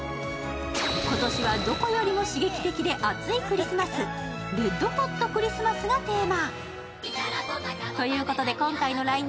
今年は、どこよりも刺激的な熱いクリスマス、「レッド・ホット・クリスマス」がテーマ。